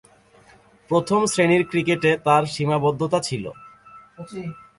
প্রথম-শ্রেণীর ক্রিকেটে তার সীমাবদ্ধতা ছিল।